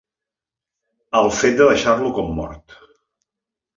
El fet de deixar-lo com mort.